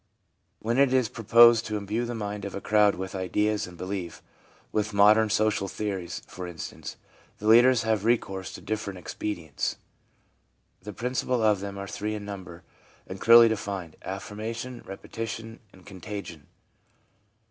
When it is pro posed to imbue the mind of a crowd with ideas and belief — with modern social theories, for instance — the leaders have recourse to different expedients. The principal of them are three in number, and clearly defined — affirmation, repetition and contagion.